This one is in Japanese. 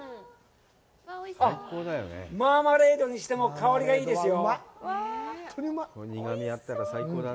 あっ、マーマレードにしても香りがいいですよ。